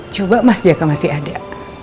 coba mas jaka masih ada